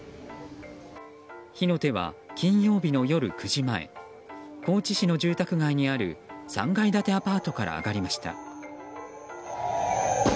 火の手は金曜日の夜９時前高知市の住宅街にある３階建てアパートから上がりました。